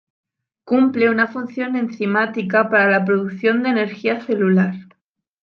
Cumple una función enzimática para la producción de energía celular.